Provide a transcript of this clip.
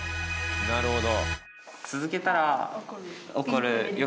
なるほど。